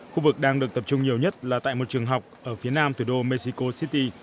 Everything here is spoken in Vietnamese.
khu vực đang được tập trung nhiều nhất là tại một trường học ở phía nam thủ đô mexico city